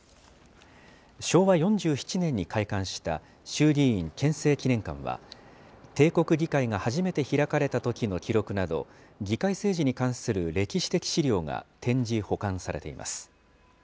昭和４７年に開館した衆議院憲政記念館は、帝国議会が初めて開かれたときの記録など、議会政治に関する歴史的資料が展示、保管されています。